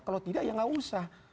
kalau tidak ya nggak usah